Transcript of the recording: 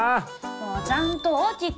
もうちゃんと起きて！